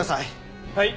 はい！